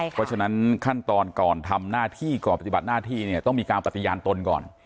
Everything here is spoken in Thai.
เพราะฉะนั้นขั้นตอนก่อนทำหน้าที่ก่อนปฏิบัติหน้าที่เนี่ยต้องมีการปฏิญาณตนก่อน